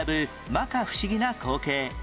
摩訶不思議な光景